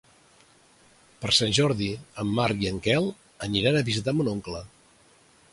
Per Sant Jordi en Marc i en Quel aniran a visitar mon oncle.